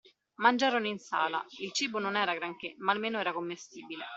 Mangiarono in sala: il cibo non era granché, ma almeno era commestibile.